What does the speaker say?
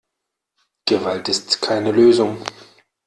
Gewalt ist keine Lösung.